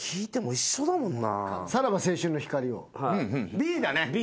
Ｂだね。